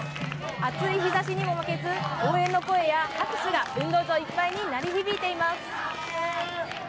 暑い日差しにも負けず応援の声や拍手が運動場いっぱいに鳴り響いています。